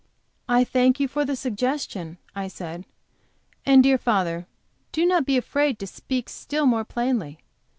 "I thank you for the suggestion;" I said; "and, dear father, do not be afraid to speak still more plainly.